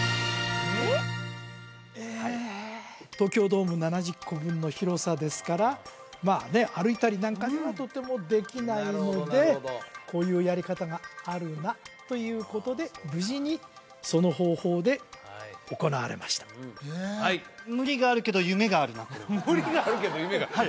東京ドーム７０個分の広さですからまあね歩いたりなんかにはとてもできないのでこういうやり方があるなということで無事にその方法で行われました無理があるけど夢があるな無理があるけど夢が？